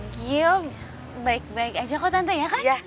gio baik baik aja kok tante ya kan